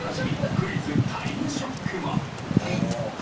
クイズタイムショック！